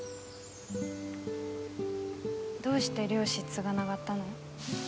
どうして漁師継がながったの？